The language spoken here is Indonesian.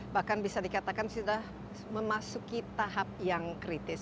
bahkan bisa dikatakan sudah memasuki tahap yang kritis